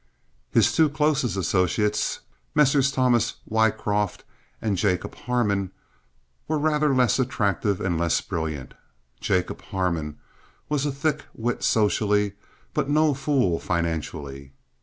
His two closest associates, Messrs. Thomas Wycroft and Jacob Harmon, were rather less attractive and less brilliant. Jacob Harmon was a thick wit socially, but no fool financially.